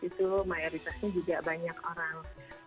itu mayoritasnya juga banyak orang